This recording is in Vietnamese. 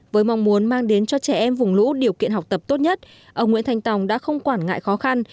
với mong muốn mang đến cho trẻ em vùng lũ điều kiện học tập tốt nhất ông nguyễn thanh tòng đã không quản ngại khó khăn